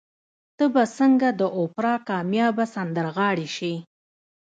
ته به څنګه د اوپرا کاميابه سندرغاړې شې؟